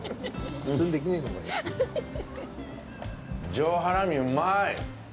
上ハラミ、うまい。